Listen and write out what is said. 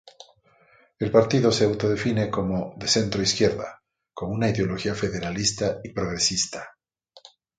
El partido se autodefine como de centroizquierda, con una ideología federalista y progresista.